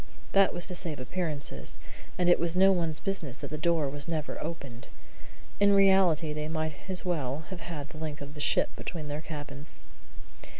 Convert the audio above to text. That was to save appearances, and it was no one's business that the door was never opened. In reality, they might as well have had the length of the ship between their cabins.